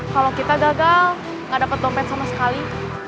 kalau kita gagal nggak dapat dompet sama sekali